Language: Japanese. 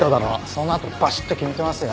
そのあとバシッと決めてますよ。